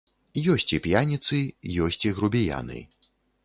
Ёсць і п'яніцы, ёсць і грубіяны.